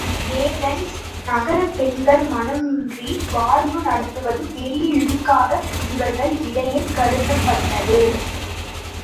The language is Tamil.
ஏதென்ஸ் நகரப் பெண்கள் மணமின்றி வாழ்வு நடத்துவது பெரிய இழுக்காக இவர்கள் இடையே கருதப்பட்டது.